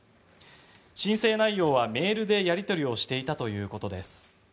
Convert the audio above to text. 申請内容はメールでやり取りをしていたということです。